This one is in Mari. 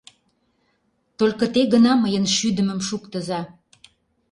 Только те гына мыйын шӱдымым шуктыза.